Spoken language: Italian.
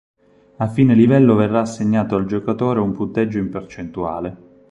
A fine livello verrà assegnato al giocatore un punteggio in percentuale.